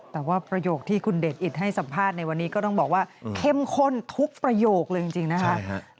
แต่ว่าประโยคที่คุณเดชอิตให้สัมภาษณ์ในวันนี้ก็ต้องบอกว่าเข้มข้นทุกประโยคเลยจริงนะคะ